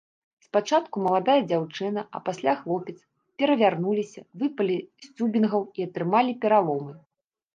Спачатку маладая дзяўчына, а пасля хлопец перавярнуліся, выпалі з цюбінгаў і атрымалі пераломы.